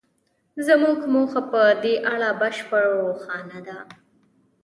زموږ موخه په دې اړه بشپړه روښانه ده